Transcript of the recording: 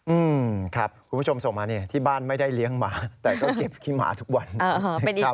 อืมครับคุณผู้ชมส่งมาเนี่ยที่บ้านไม่ได้เลี้ยงหมาแต่ก็เก็บขี้หมาทุกวันนะครับ